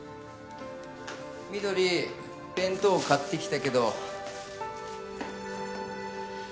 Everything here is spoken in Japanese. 翠弁当買ってきたけど。